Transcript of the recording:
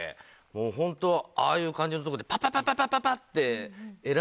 もう本当ああいう感じのとこでパパパパパパパって。